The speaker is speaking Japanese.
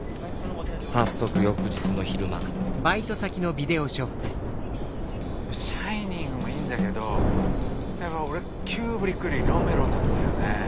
早速翌日の昼間「シャイニング」もいいんだけどやっぱ俺キューブリックよりロメロなんだよね。